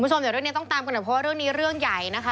คุณผู้ชมเดี๋ยวเรื่องนี้ต้องตามกันหน่อยเพราะว่าเรื่องนี้เรื่องใหญ่นะคะ